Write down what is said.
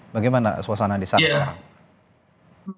bagaimana suasana di sana sekarang